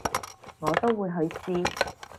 我都會去試